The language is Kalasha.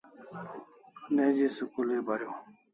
Neji school ai pariu